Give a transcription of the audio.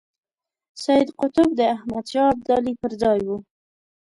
سید قطب د احمد شاه ابدالي پر ځای وو.